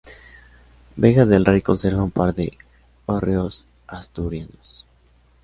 Vega del Rey conserva un par de hórreos asturianos.